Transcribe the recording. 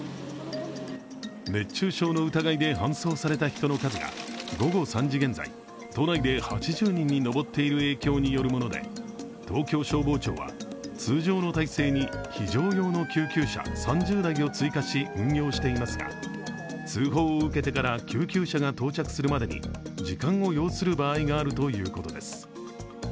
熱中症の疑いで搬送された人の数が午後３時現在、都内で８０人に上っている影響によるもので東京消防庁は通常の体制に非常用の救急車３０台を追加し運用していますが、通報を受けてから救急車が到着するまでに時間を要する場合があるということです。